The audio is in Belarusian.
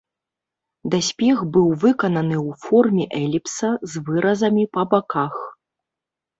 Даспех быў выкананы ў форме эліпса з выразамі па баках.